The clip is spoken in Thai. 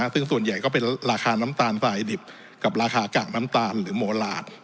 ซึ่งส่วนใหญ่ก็เป็นราคาน้ำตาลฝ่ายดิบกับราคากากน้ำตาลหรือโมหลาด